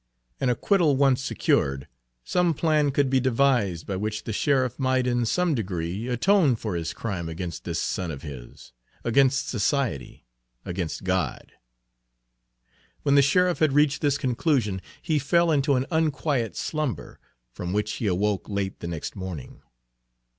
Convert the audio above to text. An acquittal once secured, some plan could be devised by which the sheriff might in some degree atone for his crime against this son of his against society against God. When the sheriff had reached this conclusion he fell into an unquiet slumber, from which he awoke late the next morning.